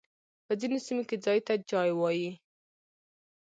په ځينو سيمو کي ځای ته جای وايي.